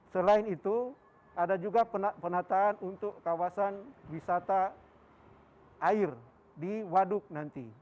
selain itu ada juga penataan untuk kawasan wisata air di waduk nanti